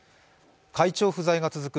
会長不在が続く